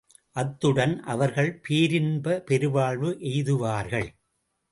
அத்துடன் அவர்கள் பேரின்பப் பெருவாழ்வு எய்துவார்கள்.